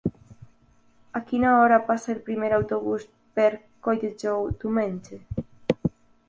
A quina hora passa el primer autobús per Colldejou diumenge?